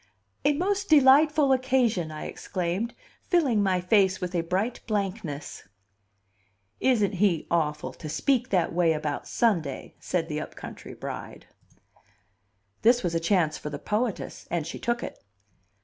"A most delightful occasion!" I exclaimed, filling my face with a bright blankness. "Isn't he awful to speak that way about Sunday!" said the up country bride. This was a chance for the poetess, and she took it.